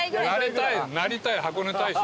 なりたい箱根大使。